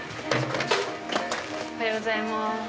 おはようございます。